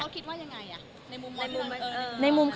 แต่ว่าเขาคิดว่ายังไงอะในมุมมั้ย